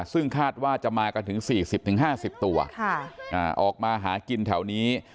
ซึ่งคาดว่าจะมากันถึงสี่สิบถึงห้าสิบตัวค่ะอ่าออกมาหากินแถวนี้